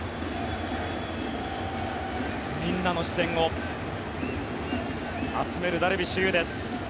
みんなの視線を集めるダルビッシュ有です。